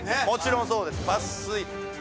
もちろんそうです抜粋